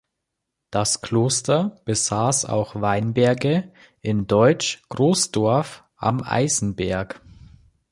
Das Kloster besaß auch Weinberge in Deutsch-Großdorf am Eisenberg.